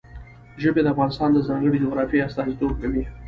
ژبې د افغانستان د ځانګړي جغرافیه استازیتوب کوي.